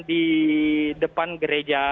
di depan gereja